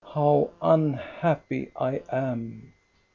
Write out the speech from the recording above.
How unhappy I am